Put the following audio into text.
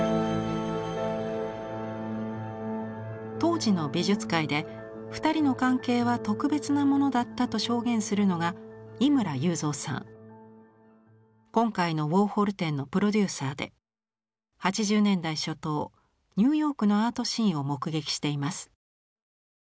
当時の美術界で２人の関係は特別なものだったと証言するのが今回のウォーホル展のプロデューサーで８０年代初頭ニューヨークのアートシーンを目撃しています。